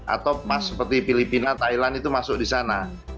atau mas seperti filipina thailand itu masuk di sana